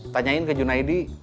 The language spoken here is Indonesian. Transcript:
tanyain ke junedi